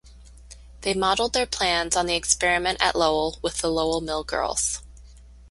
They modelled their plans on the experiment at Lowell with the Lowell Mill Girls.